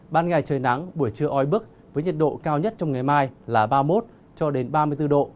ban ngày trời nắng buổi trưa oi bức với nhiệt độ cao nhất trong ngày mai là ba mươi một cho đến ba mươi bốn độ